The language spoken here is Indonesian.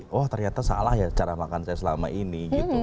wah ternyata salah ya cara makan saya selama ini gitu